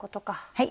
はい。